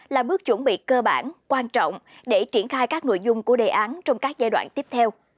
là bước chuẩn bị cơ bản quan trọng để triển khai các nội dung của đề án trong các giai đoạn tiếp theo